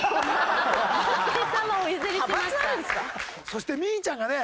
そしてみぃちゃんがね